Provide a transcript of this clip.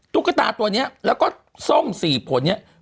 ตุ๊กตาตัวนี้แล้วก็ส้ม๔ผลเนี่ย